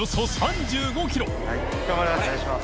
▲蕁頑張ります。